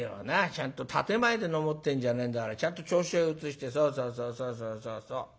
ちゃんと点前で飲もうってんじゃねえんだからちゃんと銚子を移してそうそうそうそうそうそうそう。